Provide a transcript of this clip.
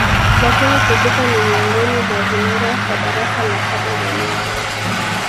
Lakini kumbuka ni miongoni mwa vinara kwa darasa la saba mwalimu